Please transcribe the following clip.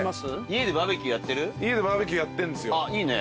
家でバーベキューやってんですよ。いいね。